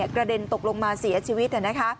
กระเด็นตกลงมาเสียชีวิต